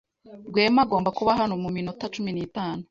Rwema agomba kuba hano muminota cumi n'itanu.